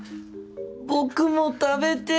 僕も食べてぇ！